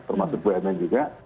termasuk bumn juga